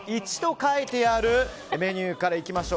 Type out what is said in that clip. １と書いてあるメニューから。